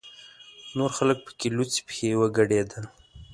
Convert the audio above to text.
نور خلک پکې لوڅې پښې ورګډېدل.